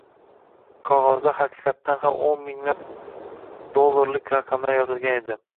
Qogʻozda haqiqatan ham oʻn minglab dollarlik raqamlar yozilgan edi